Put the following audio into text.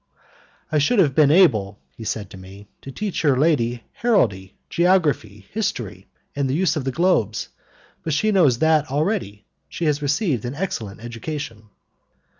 "I should have been able," he said to me, "to teach your lady heraldry, geography, history, and the use of the globes, but she knows that already. She has received an excellent education."